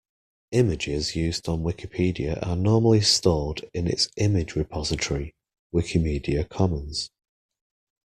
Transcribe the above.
Images used on Wikipedia are normally stored in its image repository, Wikimedia Commons